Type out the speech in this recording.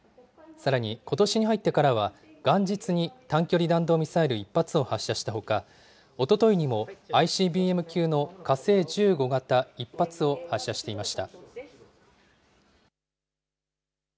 さらに、ことしに入ってからは、元日に短距離弾道ミサイル１発を発射したほか、おとといにもＩＣＢＭ級の火星１５型１発を発射していました。